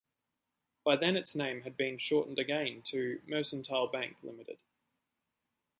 By then its name had been shortened again, to 'Mercantile Bank, Ltd'.